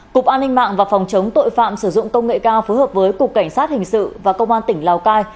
cục an ninh mạng và phòng chống tội phạm sử dụng công nghệ cao phối hợp với cục cảnh sát hình sự và công an tỉnh lào cai